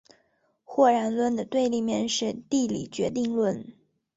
或然论的对立面是地理决定论。